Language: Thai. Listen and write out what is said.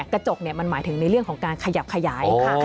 กระจกมันหมายถึงในเรื่องของการขยับขยาย